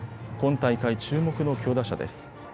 今大会注目の強打者です。